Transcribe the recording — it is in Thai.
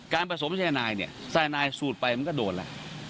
การผสมไซยานายไซยานายสูดไปมันก็โดดแล้ว